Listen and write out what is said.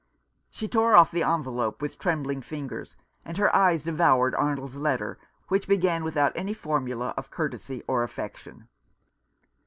She tore off the envelope with trembling fingers, and her eyes devoured Arnold's letter, which began without any formula of courtesy or affection.